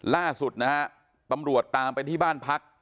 ล่าสุดนะฮะตำรวจตามไปที่บ้านพัก